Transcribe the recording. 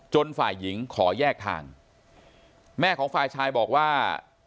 ฝ่ายหญิงขอแยกทางแม่ของฝ่ายชายบอกว่า